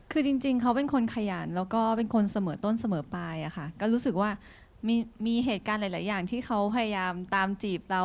คือจริงเขาเป็นคนขยันแล้วก็เป็นคนเสมอต้นเสมอไปอะค่ะก็รู้สึกว่ามีเหตุการณ์หลายอย่างที่เขาพยายามตามจีบเรา